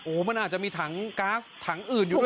มันอาจจะมีถังก๊าซถังอื่นอยู่ด้วย